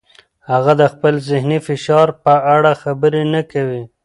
هغه د خپل ذهني فشار په اړه خبرې نه کوي.